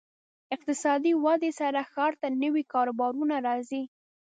اقتصادي ودې سره ښار ته نوي کاروبارونه راځي.